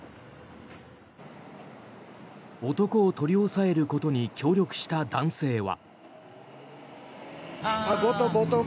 男を取り押さえることに協力した男性は。